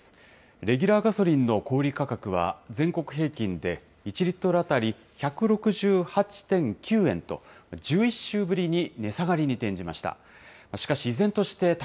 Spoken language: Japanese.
レギュラーガソリンの小売り価格は、全国平均で１リットル当たり１６８．９円と、１１週ぶりに値下がりに転じました。